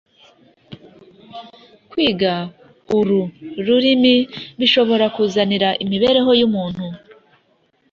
Kwiga uru rurimi bishobora kuzanira imibereho y’umuntu